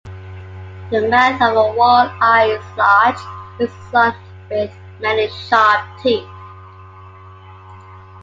The mouth of a walleye is large and is armed with many sharp teeth.